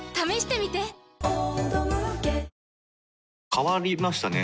変わりましたね。